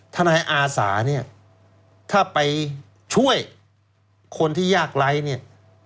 ทนายอาสาเนี่ยถ้าไปช่วยคนที่ยากไร้เนี่ย